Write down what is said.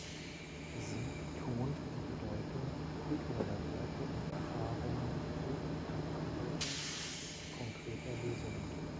Sie betont die Bedeutung kultureller Werte und Erfahrungen für die Erarbeitung konkreter Lösungen.